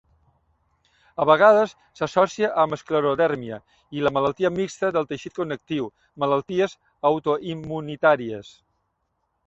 A vegades s'associa amb esclerodèrmia i la malaltia mixta del teixit connectiu, malalties autoimmunitàries.